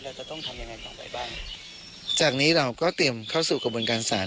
เราจะต้องทำยังไงต่อไปบ้างจากนี้เราก็เตรียมเข้าสู่กระบวนการศาล